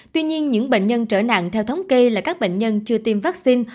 tuy nhiên những bệnh nhân trở nặng theo thống kê là các bệnh nhân chưa tiêm vaccine